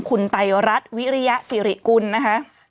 คุณไตรรัฐวิริยสิริกุลนะคะ